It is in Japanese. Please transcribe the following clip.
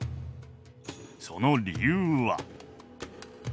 その理由は。